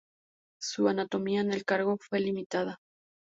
Su autonomía en el cargo fue limitada.